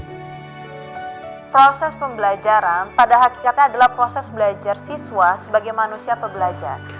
jadi proses pembelajaran pada hakikatnya adalah proses belajar siswa sebagai manusia pebelajar